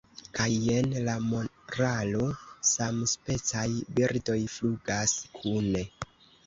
Kaj jen la moralo: 'Samspecaj birdoj flugas kune.'"